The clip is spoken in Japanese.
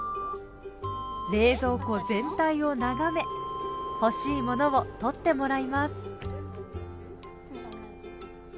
冷蔵庫全体をながめ欲しいものを取ってもらいます。